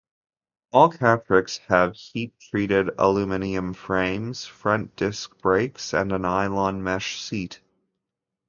All Catrikes have heat-treated aluminum frames, front disc brakes and a nylon mesh seat.